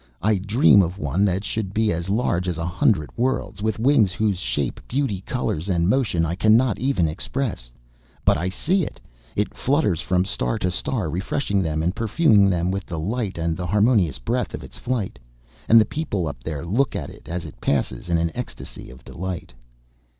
I dream of one that should be as large as a hundred worlds, with wings whose shape, beauty, colours, and motion I cannot even express. But I see it ... it flutters from star to star, refreshing them and perfuming them with the light and harmonious breath of its flight!... And the people up there look at it as it passes in an ecstasy of delight!...